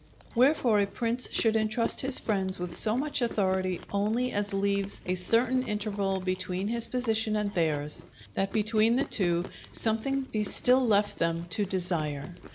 Wherefore, a prince should entrust his friends with so much authority only as leaves a certain interval between his position and theirs; that between the two something be still left them to desire.